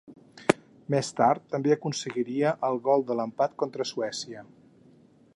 Més tard també aconseguiria el gol de l'empat contra Suècia.